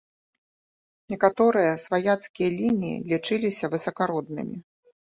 Некаторыя сваяцкія лініі лічыліся высакароднымі.